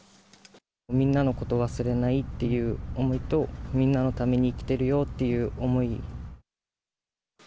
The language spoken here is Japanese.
みんなのこと忘れないっていう思いと、みんなのために生きてるよっていう思い。